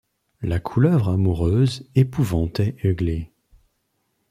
La couleuvre amoureuse épouvantait Eglé ;